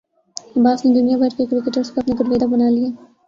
عباس نے دنیا بھر کے کرکٹرز کو اپنا گرویدہ بنا لیا